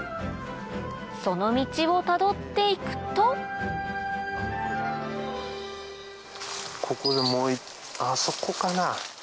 その道をたどって行くとあそこかな